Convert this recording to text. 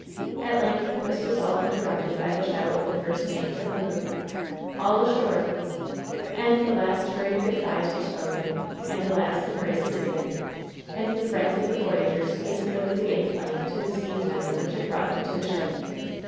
At length this was all interrupted by the shout of the first mate from the poop: "All ashore!^' And the last hurried good bys were spoken, and the last embraces given, and the friends of the voyagers has tened over the gang plank to the steam tender which had brought them to the ship.